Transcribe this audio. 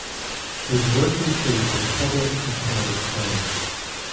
His work included both public and private clients.